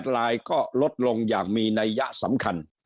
ลายก็ลดลงอย่างมีนัยยะสำคัญ